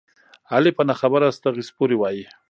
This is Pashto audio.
علي په نه خبره ستغې سپورې وايي.